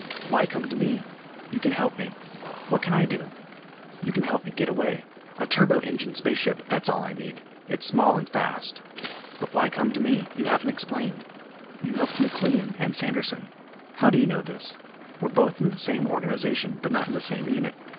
"Why come to me?" "You can help me." "What can I do?" "You can help me get away. A turbo engine space ship. That's all I need. It's small and fast." "But why come to me? You haven't explained." "You helped McLean and Sanderson." "How do you know this?" "We're both in the same organization but not in the same unit.